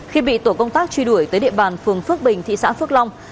khi bị tổ công tác truy đuổi tới địa bàn phường phước bình thị xã phước long